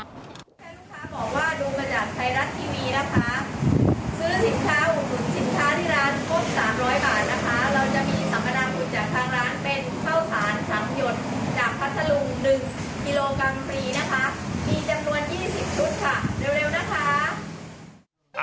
๑กิโลกรัมฟรีนะคะมีจำนวน๒๐ชุดค่ะเร็วนะคะ